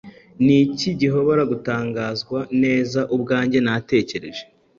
Niki gihobora gutangazwa neza ubwanjye natekereje